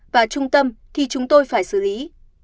và trung tâm thì chúng tôi phải xử lý